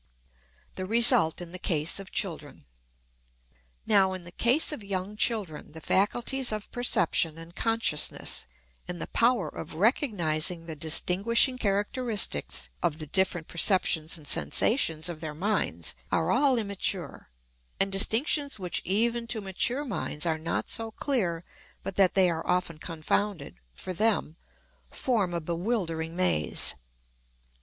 The Result in the Case of Children. Now, in the case of young children, the faculties of perception and consciousness and the power of recognizing the distinguishing characteristics of the different perceptions and sensations of their minds are all immature, and distinctions which even to mature minds are not so clear but that they are often confounded, for them form a bewildering maze.